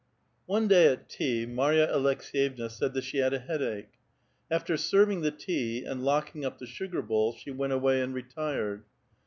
One day at tea, Maiya Aleks^yevna said that she had a headache ; after serving the tea, and locking up the sugar bowl she went away and retired.